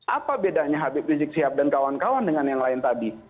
apa bedanya habib rizik sihab dan kawan kawan dengan yang lain tadi